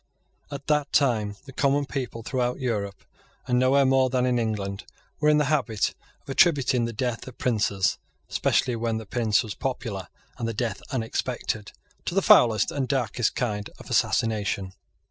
At that time the common people throughout Europe, and nowhere more than in England, were in the habit of attributing the death of princes, especially when the prince was popular and the death unexpected, to the foulest and darkest kind of assassination.